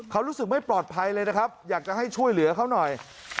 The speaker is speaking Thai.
เขารู้สึกไม่ปลอดภัยเลยนะครับอยากจะให้ช่วยเหลือเขาหน่อย